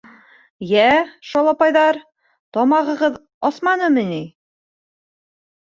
— Йә, шалапайҙар, тамағығыҙ асманымы ни?